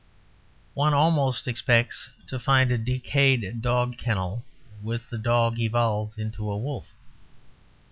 One almost expects to find a decayed dog kennel; with the dog evolved into a wolf.